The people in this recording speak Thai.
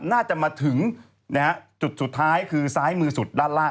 น่าจะมาถึงนะฮะจุดสุดท้ายคือซ้ายมือสุดด้านล่าง